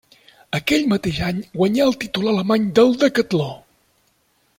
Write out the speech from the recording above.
Aquell mateix any guanyà el títol alemany del decatló.